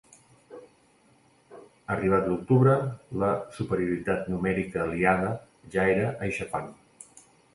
Arribat l'octubre, la superioritat numèrica aliada ja era aixafant.